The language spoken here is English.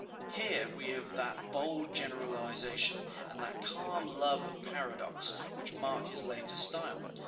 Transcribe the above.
Here we have that bold generalization and that calm love of paradox which mark his later style.